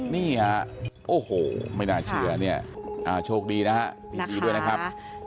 นี่ฮะโอ้โหไม่น่าเชื่อเนี่ยโชคดีนะฮะยินดีด้วยนะครับ